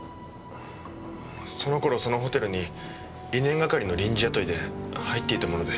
その頃そのホテルにリネン係の臨時雇いで入っていたもので。